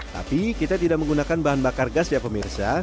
tapi kita tidak menggunakan bahan bakar gas ya pemirsa